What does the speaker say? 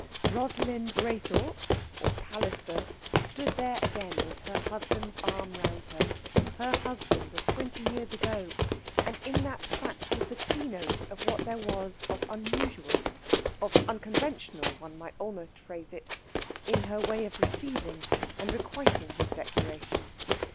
Rosalind Graythorpe, or Palliser, stood there again with her husband's arm round her her husband of twenty years ago! And in that fact was the keynote of what there was of unusual of unconventional, one might almost phrase it in her way of receiving and requiting his declaration.